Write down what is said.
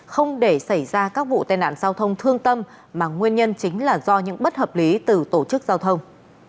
không để xảy ra các vụ tai nạn giao thông thương tâm mà nguyên nhân chính là do những bất hợp lý từ tổ chức giao thông